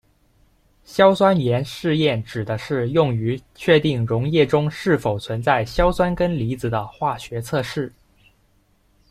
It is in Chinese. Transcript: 硝酸盐试验指的是用于确定溶液中是否存在硝酸根离子的化学测试。